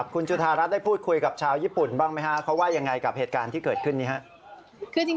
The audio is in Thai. คุณจุธารัฐได้พูดคุยกับชาวญี่ปุ่นบ้างไหมฮะเขาว่ายังไงกับเหตุการณ์ที่เกิดขึ้นนี้ครับ